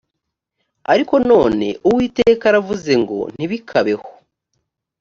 ariko none uwiteka aravuze ngo ntibikabeho